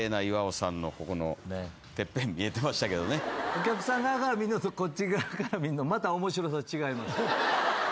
お客さん側から見るのとこっち側から見るのまた面白さ違います。